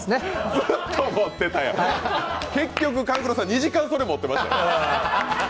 ずっと持ってたやん、結局、勘九郎さん、２時間持ってましたよ。